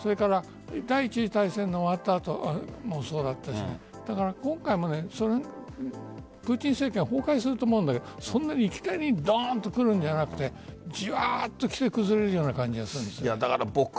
第１次大戦が終わった後もそうだったし今回もプーチン政権崩壊すると思うんだけどそんなにいきなりドーンと来るんじゃなくてじわっときて崩れるような感じだと思う。